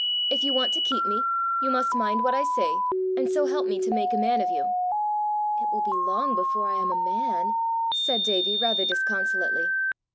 If you want to keep me, you must mind what I say, and so help me to make a man of you." "It will be long before I am a man!" said Davie rather disconsolately.